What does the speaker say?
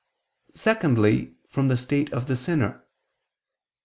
Secondly, from the state of the sinner.